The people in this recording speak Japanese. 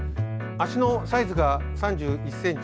足のサイズが３１ｃｍ。